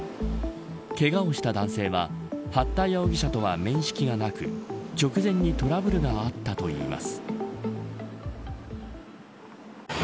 けがをした男性は八田容疑者とは面識がなく直前にトラブルがあったといいます。